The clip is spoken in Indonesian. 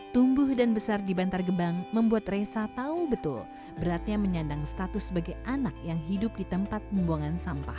tumbuh dan besar di bantar gebang membuat resa tahu betul beratnya menyandang status sebagai anak yang hidup di tempat pembuangan sampah